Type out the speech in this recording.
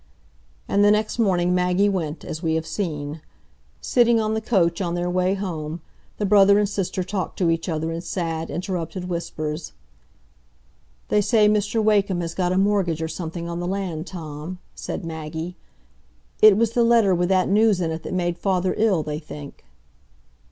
And the next morning Maggie went, as we have seen. Sitting on the coach on their way home, the brother and sister talked to each other in sad, interrupted whispers. "They say Mr Wakem has got a mortgage or something on the land, Tom," said Maggie. "It was the letter with that news in it that made father ill, they think."